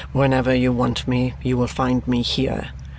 Whenever you want me, you will find me here.